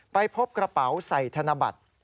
ไปพบกระเป๋าใส่ธนบัตร